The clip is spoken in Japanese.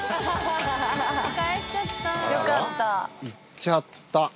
行っちゃった。